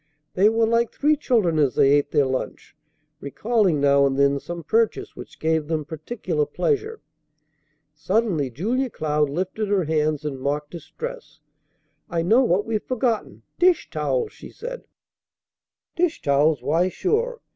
They were like three children as they ate their lunch, recalling now and then some purchase which gave them particular pleasure. Suddenly Julia Cloud lifted her hands in mock distress. "I know what we've forgotten! Dish towels!" she said. "Dish towels! Why, sure.